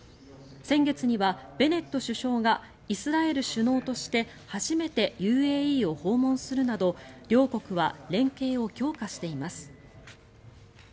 先月にはベネット首相がイスラエル首脳として初めてＵＡＥを訪問するなど両国は連携を強化しています。